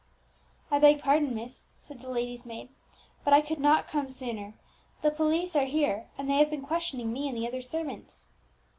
"I beg pardon, miss," said the lady's maid; "but I could not come sooner. The police are here, and they have been questioning me and the other servants."